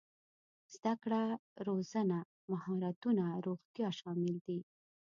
زده کړه روزنه مهارتونه روغتيا شامل دي.